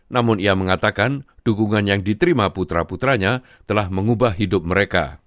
namun ia mengatakan dukungan yang diterima putra putranya telah mengubah hidup mereka